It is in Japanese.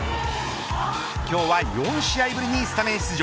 今日は４試合ぶりにスタメン出場。